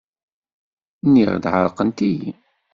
Nniɣ-d ɛerqent-iyi.